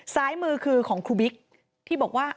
ซ้ายมือคือของครูบิ๊กที่บอกว่า